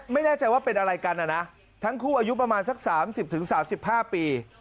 ไม่แน่ใจว่าเป็นอะไรกันนะนะทั้งคู่อายุประมาณสัก๓๐๓๕ปี